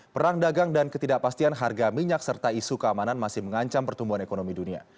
perang dagang dan ketidakpastian harga minyak serta isu keamanan masih mengancam pertumbuhan ekonomi dunia